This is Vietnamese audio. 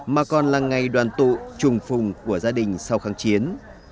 mà còn là ngày đoàn tụ trùng phùng của gia đình sau kháng chiến